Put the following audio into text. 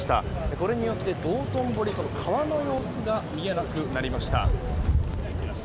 これによって道頓堀川の様子が見えなくなりました。